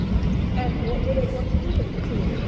And what were they going to do with the two